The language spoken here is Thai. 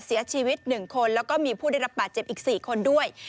เสียชีวิต๑คนแล้วก็มีผู้ได้รับบาดเจ็บอีก๔คนด้วย